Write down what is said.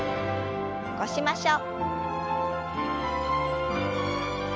起こしましょう。